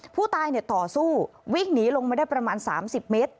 ผู้ตายต่อสู้วิ่งหนีลงมาได้ประมาณ๓๐เมตร